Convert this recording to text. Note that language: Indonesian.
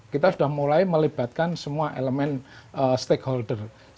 kita sudah mulai melibatkan semua elemen stakeholder